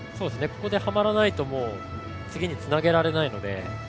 ここではまらないと次につなげられないので。